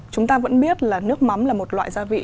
chúng ta vẫn biết là nước mắm là một loại gia vị